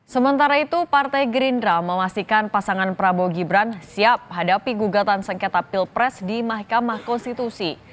sementara itu partai gerindra memastikan pasangan prabowo gibran siap hadapi gugatan sengketa pilpres di mahkamah konstitusi